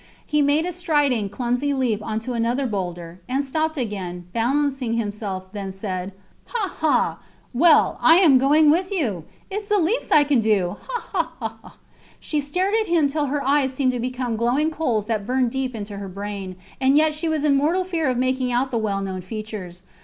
He made a striding, clumsy leap on to another boulder, and stopped again, balancing himself, then said Ha! ha! Well, I am going with you. Its the least I can do. Ha! ha! ha! She stared at him till her eyes seemed to become glowing coals that burned deep into her brain, and yet she was in mortal fear of making out the well known features.